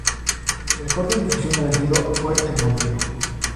El corte difusión elegido fue "El vampiro".